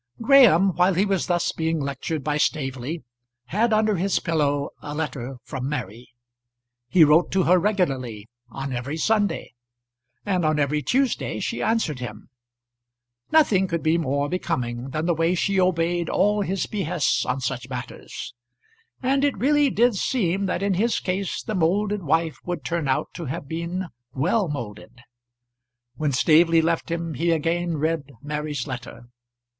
Graham, while he was thus being lectured by Staveley, had under his pillow a letter from Mary. He wrote to her regularly on every Sunday, and on every Tuesday she answered him. Nothing could be more becoming than the way she obeyed all his behests on such matters; and it really did seem that in his case the moulded wife would turn out to have been well moulded. When Staveley left him he again read Mary's letter.